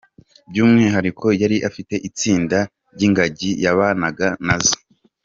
By’umwihariko yari afite itsinda ry’ingagi yabanaga na zo.